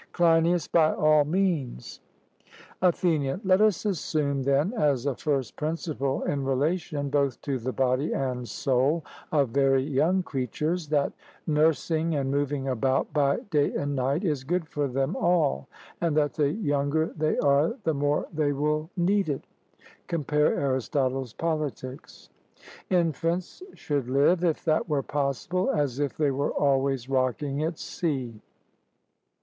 CLEINIAS: By all means. ATHENIAN: Let us assume, then, as a first principle in relation both to the body and soul of very young creatures, that nursing and moving about by day and night is good for them all, and that the younger they are, the more they will need it (compare Arist. Pol.); infants should live, if that were possible, as if they were always rocking at sea.